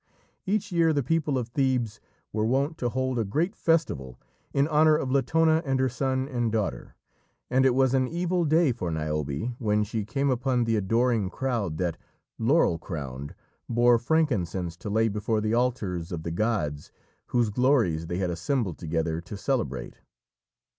Each year the people of Thebes were wont to hold a great festival in honour of Latona and her son and daughter, and it was an evil day for Niobe when she came upon the adoring crowd that, laurel crowned, bore frankincense to lay before the altars of the gods whose glories they had assembled together to celebrate.